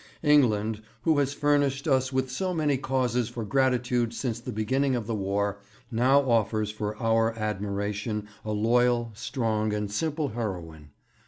England, who has furnished us with so many causes for gratitude since the beginning of the War, now offers for our admiration a loyal, strong, and simple heroine.